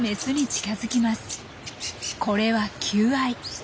これは求愛。